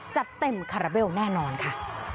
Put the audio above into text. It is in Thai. จัดเต็มคาราเบลแน่นอนค่ะ